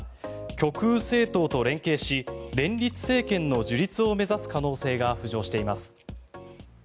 極右政党と連携し連立政権の樹立を目指す可能性が浮上しています。